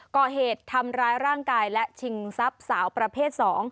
ก่อเหตุทำร้ายร่างกายและชิงทรัพย์สาวประเภท๒